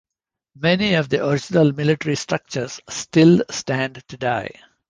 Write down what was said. Many of the original military structures still stand today.